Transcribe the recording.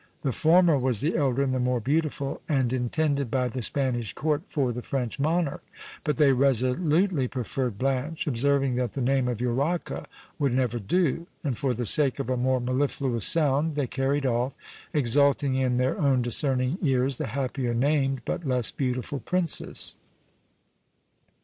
The former was the elder and the more beautiful, and intended by the Spanish court for the French monarch; but they resolutely preferred Blanche, observing that the name of Urraca would never do! and for the sake of a more mellifluous sound, they carried off, exulting in their own discerning ears, the happier named, but less beautiful princess.